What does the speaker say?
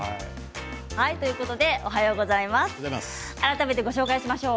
改めてご紹介しましょう。